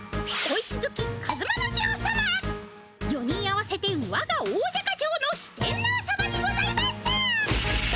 ４人合わせてわがおおじゃか城の四天王様にございます！